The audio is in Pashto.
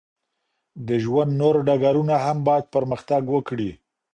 د ژوند نور ډګرونه هم باید پرمختګ وکړي.